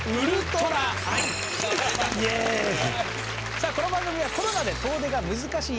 さあこの番組はコロナで遠出が難しい